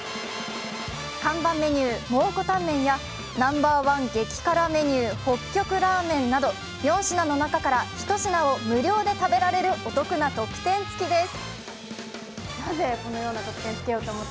看板メニュー・蒙古タンメンや、ナンバーワン激辛メニュー、北極ラーメンなど４品の中から１品を無料で食べられるお得な特典つきです。